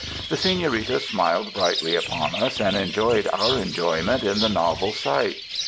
The Senorita smiled brightly upon us and enjoyed our enjoyment in the novel sight.